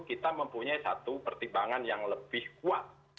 kita mempunyai satu pertimbangan yang lebih kuat